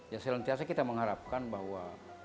ya selentiasa kita mengharapkan bahwa